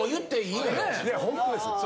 いやホントです。